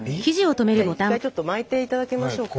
じゃあ一回ちょっと巻いていただきましょうか。